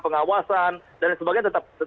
pengawasan dan sebagainya